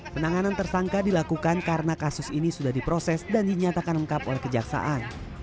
penanganan tersangka dilakukan karena kasus ini sudah diproses dan dinyatakan lengkap oleh kejaksaan